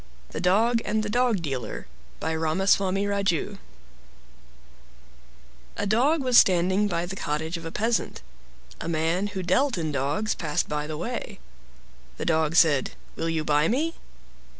THE DOG AND THE DOG DEALER By Ramaswami Raju A dog was standing by the cottage of a peasant. A man who dealt in dogs passed by the way. The Dog said, "Will you buy me?"